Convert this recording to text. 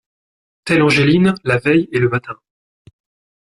Telle Angeline, la veille et le matin.